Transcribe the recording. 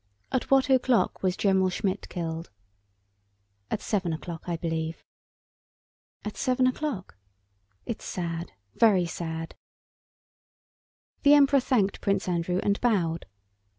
"At what o'clock was General Schmidt killed?" "At seven o'clock, I believe." "At seven o'clock? It's very sad, very sad!" The Emperor thanked Prince Andrew and bowed.